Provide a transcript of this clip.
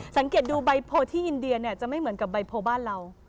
สังเกตดูใบโพลที่อินเดียเนี่ยจะไม่เหมือนกับใบโพลบ้านเรา